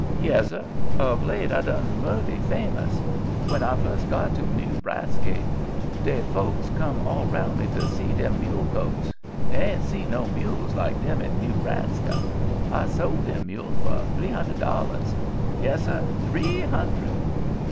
"Yessir; of late I done mouty famous. When I first got to Newbraska, dey folks come all roun' me to see dem mule colts. Dey ain't see no mules like dem in Newbraska. I sold dem mules for three hundred dollars. Yessir—three hundred.